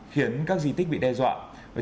khiến các di tích bị đe dọa